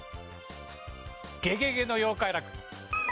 ゲゲゲの妖怪楽園。